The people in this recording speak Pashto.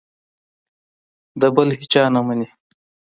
د بل هېچا نه مني.